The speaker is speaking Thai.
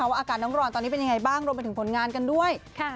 ว่าอาการน้องรอนตอนนี้เป็นยังไงบ้างรวมไปถึงผลงานกันด้วย